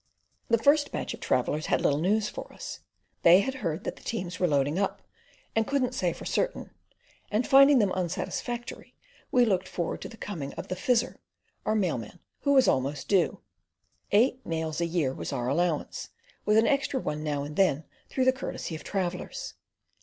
The first batch of travellers had little news for us. They had heard that the teams were loading up, and couldn't say for certain, and, finding them unsatisfactory, we looked forward to the coming of the "Fizzer," our mailman, who was almost due. Eight mails a year was our allowance, with an extra one now and then through the courtesy of travellers.